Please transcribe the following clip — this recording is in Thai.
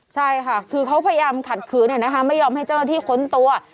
ใช่ค่ะคือเขาพยายามขัดขืนไม่ยอมให้เจ้าหน้าที่ค้นตัว